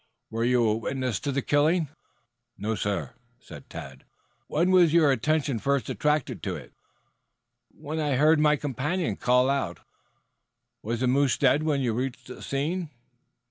"Were you a witness to the killing?" "No, sir." "When was your attention first attracted to it?" "When I heard my companion call out." "Was the moose dead when you reached the scene?"